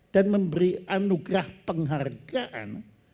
dan memberi anugerah penghargaan